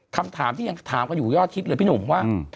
คำถามที่ยังถามกันอยู่ยอดฮิตเลยพี่หนุ่มว่า